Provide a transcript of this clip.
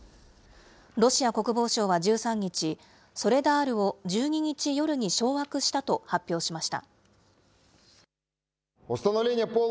ロシア国防省は１３日、ソレダールを１２日夜に掌握したと発表しました。